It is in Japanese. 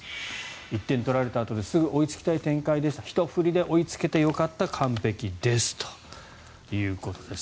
１点取られたあとですぐ追いつきたい展開でしたひと振りで追いつけてよかった完璧ですということです。